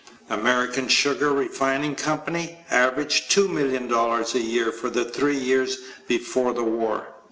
American Sugar Refining Company averaged $2,000,000 a year for the three years before the war.